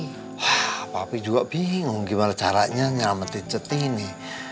wah papi juga bingung gimana caranya nyelamatin centini